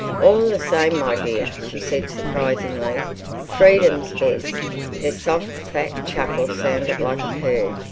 "All the same, my dear," she said surprisingly, "freedom's best!" Her soft, fat chuckle sounded like a purr.